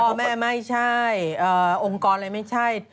พ่อแม่ไม่ใช่องค์กรอะไรไม่ใช่